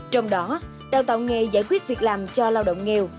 trong đó đào tạo nghề giải quyết việc làm cho lao động nghèo